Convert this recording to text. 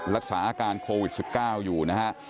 รักษาอาการโควิดสิบเก้าอยู่นะฮะ